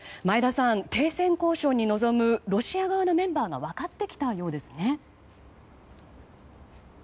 前田さん、停戦交渉に臨むロシア側のメンバーが分かってきたようですね。